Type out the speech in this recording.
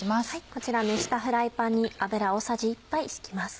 こちら熱したフライパンに油大さじ１杯引きます。